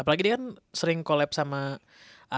apalagi dia kan sering collab sama artis gitu kan